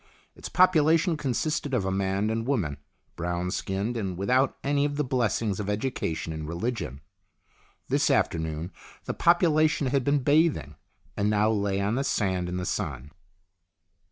Its population consisted of a man and woman, brown skinned, and without any of the blessings of education and religion. This afternoon the population had been bathing, and now lay on the sand in the sun.